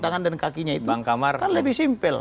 tangan dan kakinya itu kan lebih simpel